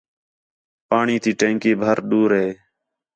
پاݨی تی ٹینکی بھر دُور ہِے